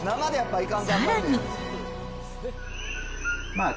さらに。